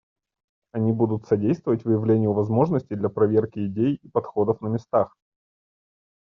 Они будут содействовать выявлению возможностей для проверки идей и подходов на местах.